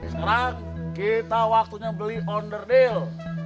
sekarang kita waktunya beli on the deal